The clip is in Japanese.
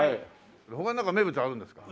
他になんか名物あるんですか？